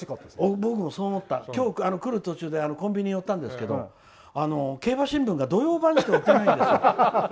今日、来る途中でコンビニに寄ったんですが競馬新聞が土曜版しか売ってないんです。